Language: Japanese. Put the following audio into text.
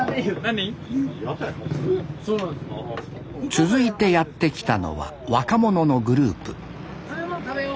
続いてやって来たのは若者のグループ食べもん食べよ。